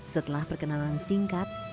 setelah perkenalan singkat